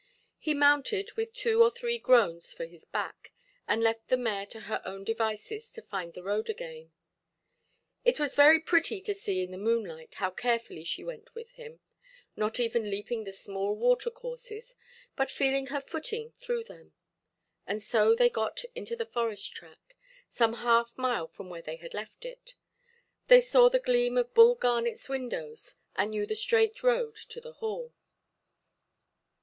He mounted, with two or three groans for his back, and left the mare to her own devices to find the road again. It was very pretty to see in the moonlight how carefully she went with him, not even leaping the small water–courses, but feeling her footing through them. And so they got into the forest–track, some half mile from where they had left it; they saw the gleam of Bull Garnetʼs windows, and knew the straight road to the Hall.